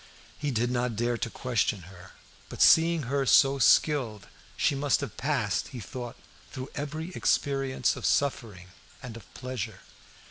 He did not dare to question her; but, seeing her so skilled, she must have passed, he thought, through every experience of suffering and of pleasure.